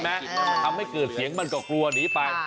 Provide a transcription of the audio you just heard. ทำให้เกิดเสียงมันก็กลัวหนีไป